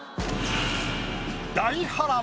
大波乱！